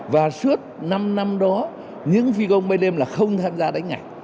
và suốt năm năm đó những phi công bay đêm là không tham gia đánh nhạc